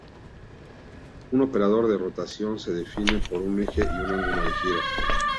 Un operador de rotación se define por un eje y un ángulo de giro.